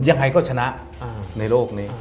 ยังไงก็ชนะในโลกนี้